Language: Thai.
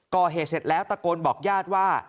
ก่อเหตุเสร็จแล้วตะโกนบอกญาติว่า